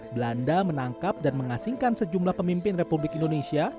belanda menangkap dan mengasingkan sejumlah pemimpin republik indonesia